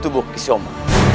tubuh kisah oma